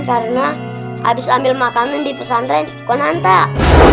karena abis ambil makanan di pesantren kau nantak